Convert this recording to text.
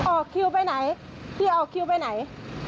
ออกคิวไปไหนพี่ออกคิวไปไหน